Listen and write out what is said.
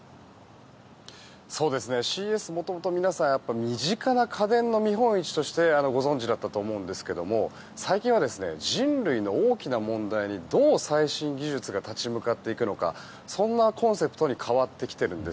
ＣＥＳはもともと皆さん身近な家電の見本市としてご存じだったと思うんですが最近は、人類の大きな問題にどう最新技術が立ち向かっていくのかそんなコンセプトに変わってきているんです。